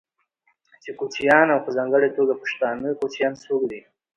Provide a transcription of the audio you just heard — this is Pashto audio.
چې کوچيان او په ځانګړې توګه پښتانه کوچيان څوک دي،